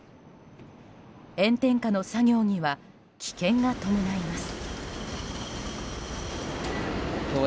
炎天下の作業には危険が伴います。